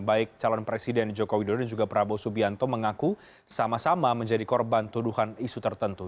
baik calon presiden joko widodo dan juga prabowo subianto mengaku sama sama menjadi korban tuduhan isu tertentu